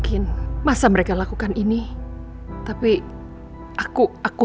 ren bangun dong nak